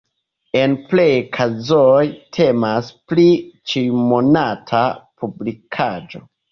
En plej kazoj temas pri ĉiumonata publikaĵo.